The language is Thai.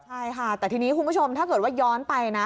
ใช่ค่ะแต่ทีนี้คุณผู้ชมถ้าเกิดว่าย้อนไปนะ